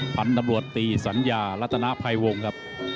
พันธุ์ตำรวจตีสัญญารัฐนาภัยวงครับ